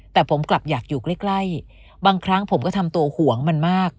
แต่ผมกลับอยากอยู่ใกล้บางครั้งผมก็ทำตัวห่วงมันมาก